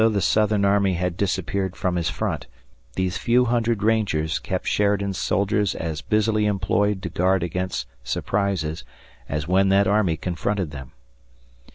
the Southern army had disappeared from his front, these few hundred rangers kept Sheridan's soldiers as busily employed to guard against surprises as when that army confronted them.